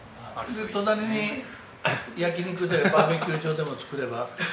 隣に焼き肉場やバーベキュー場でも作れば。